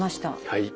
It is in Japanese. はい。